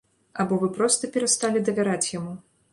Або вы проста перасталі давяраць яму.